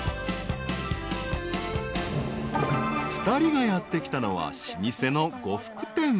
［２人がやって来たのは老舗の呉服店］